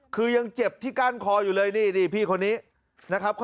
คือยังเจ็บที่ก้านคออยู่เลยนี่พี่คนนี้นะครับ